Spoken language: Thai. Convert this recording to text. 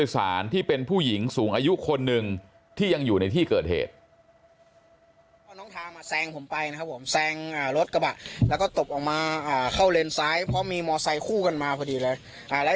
แซงรถกระบะแล้วก็ตบออกเข้าเลนสายเพราะมีมอไซด์คู่กันมาพอดีแล้วยังเป็นไวฟะ